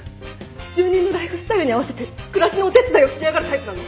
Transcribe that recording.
住人のライフスタイルに合わせて暮らしのお手伝いをしやがるタイプなの？